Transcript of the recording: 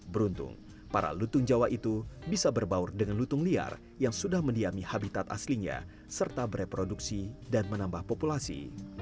beruntung para lutung jawa itu bisa berbaur dengan lutung liar yang sudah mendiami habitat aslinya serta bereproduksi dan menambah populasi